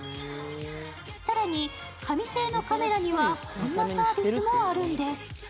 更に紙製のカメラにはこんなサービスもあるんです。